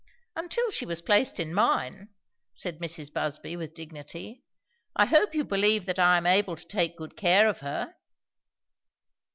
"Until she was placed in mine," said Mrs. Busby with dignity. "I hope you believe that I am able to take good care of her?"